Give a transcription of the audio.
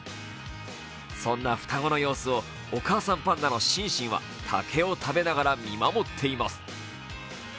そんな双子の様子をお母さんパンダのシンシンは竹を食べながら見守っています。